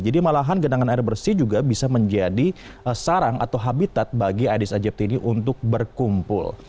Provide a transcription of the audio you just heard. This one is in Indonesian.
jadi malahan genangan air bersih juga bisa menjadi sarang atau habitat bagi aedes aegypti ini untuk berkumpul